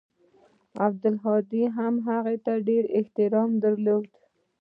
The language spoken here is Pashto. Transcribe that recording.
عبدالهادي هم هغه ته ډېر احترام درلود.